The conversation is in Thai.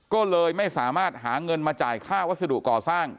ก็เลยไม่สามารถหาเงินมาจ่ายค่าวัสดุก่อสร้าง